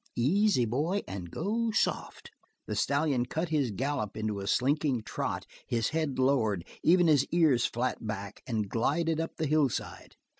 Easy, boy, and go soft!" The stallion cut his gallop into a slinking trot, his head lowered, even his ears flat back, and glided up the hillside.